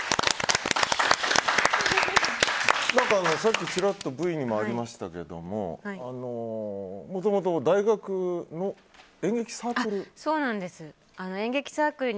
さっきちらっとＶにもありましたけどもともと大学の演劇サークル？